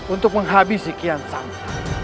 untuk menghabis ikian santan